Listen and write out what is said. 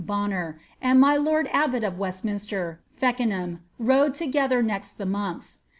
(Bonner), and my lord abbot of Westminster (Feckenham), rode U^ f ether next the monks.